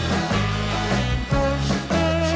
รับทราบ